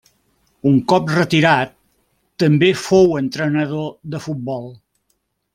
Un cop retirat també fou entrenador de futbol.